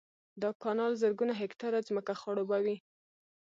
دا کانال زرګونه هکټاره ځمکه خړوبوي